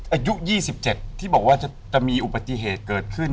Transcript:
อายุ๒๗ที่บอกว่าจะมีอุบัติเหตุเกิดขึ้น